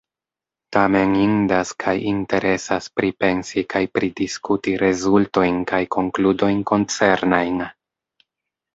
Tamen indas kaj interesas pripensi kaj pridiskuti rezultojn kaj konkludojn koncernajn.